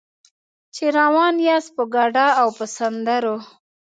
چې روان یاست په ګډا او په سندرو.